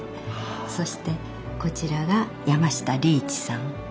そしてこちらが山下利一さん。